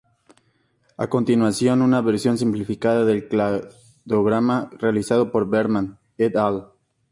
A continuación una versión simplificada del cladograma realizado por Berman "et al.